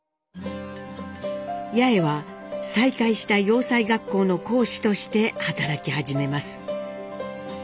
八重は再開した洋裁学校の講師として働き始めます。